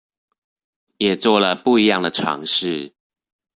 也做了不一樣的嘗試